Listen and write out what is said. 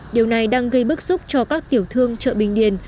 điều này đang gây bức xúc cho các tiểu thương chợ bình điền